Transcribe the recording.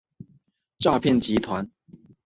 诈骗集团